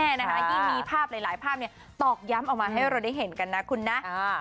ยิ่งมีภาพหลายภาพตอกย้ำออกมาให้เราได้เห็นกันนะคุณนะ